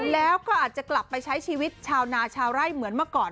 แล้วก็อาจจะกลับไปใช้ชีวิตชาวนาชาวไร่เหมือนเมื่อก่อน